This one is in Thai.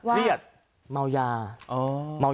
เครียดเมายา